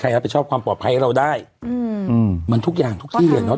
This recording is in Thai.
รับผิดชอบความปลอดภัยให้เราได้อืมอืมมันทุกอย่างทุกที่เลยเนอ